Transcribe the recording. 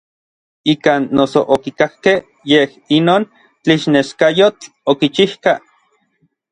Ikan noso okikakkej yej inon tlixneskayotl okichijka.